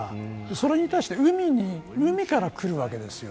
それに対して海から来るわけですよ。